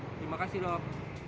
terima kasih dok